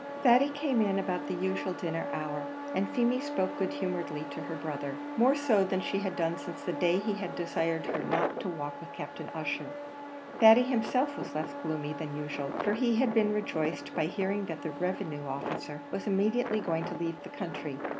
Thady came in about the usual dinner hour, and Feemy spoke good humouredly to her brother more so than she had done since the day he had desired her not to walk with Captain Ussher. Thady himself was less gloomy than usual, for he had been rejoiced by hearing that the revenue officer was immediately going to leave the country.